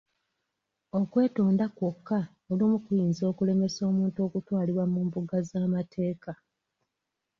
Okwetonda kwokka olumu kuyinza okulemesa omuntu okutwalibwa mu mbuga z'amateeka.